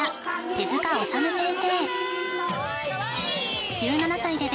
手塚治虫先生